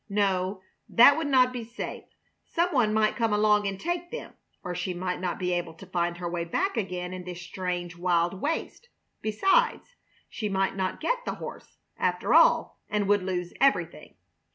No, that would not be safe. Some one might come along and take them, or she might not be able to find her way back again in this strange, wild waste. Besides, she might not get the horse, after all, and would lose everything.